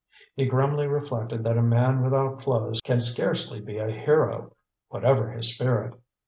He grimly reflected that a man without clothes can scarcely be a hero, whatever his spirit.